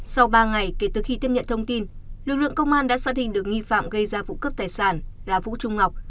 sau ba ngày kể từ khi tiếp nhận thông tin lực lượng công an đã xác định được nghi phạm gây ra vụ cướp tài sản là vũ trung ngọc